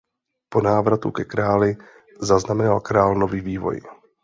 Po návratu ke králi zaznamenal král nový vývoj.